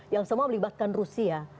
yang semua melibatkan rusia